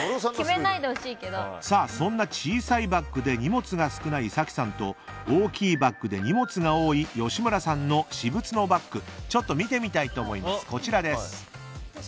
そんな小さいバッグで荷物が少ない早紀さんと、大きいバッグで荷物が多い吉村さんの私物のバッグを見てみたいと思います。